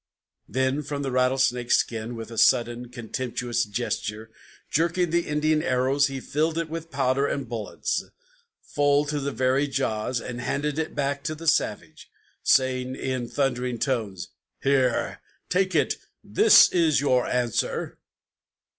Then from the rattlesnake's skin, with a sudden, contemptuous gesture, Jerking the Indian arrows, he filled it with powder and bullets Full to the very jaws, and handed it back to the savage, Saying, in thundering tones: "Here, take it! this is your answer!"